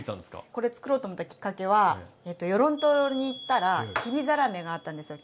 これつくろうと思ったきっかけは与論島に行ったらきびざらめがあったんですよ。